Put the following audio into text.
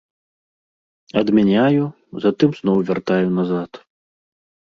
Адмяняю, затым зноў вяртаю назад.